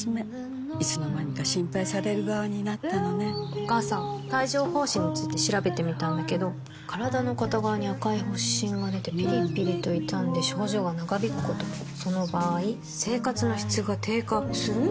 お母さん帯状疱疹について調べてみたんだけど身体の片側に赤い発疹がでてピリピリと痛んで症状が長引くこともその場合生活の質が低下する？